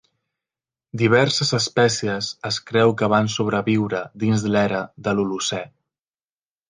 Diverses espècies es creu que van sobreviure dins l'era de l'Holocè.